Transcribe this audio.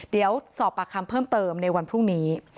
เดี๋ยวสอบปากคำเพิ่มเติมในวันพรุ่งนี้